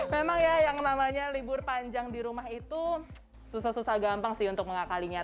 memang ya yang namanya libur panjang di rumah itu susah susah gampang sih untuk mengakalinya